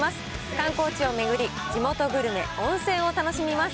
観光地を巡り、地元グルメ、温泉を楽しみます。